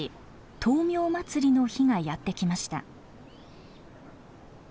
灯明祭の日がやって来ました。